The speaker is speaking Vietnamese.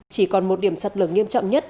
chỉ còn một điểm sạt lở nghiêm trọng nhất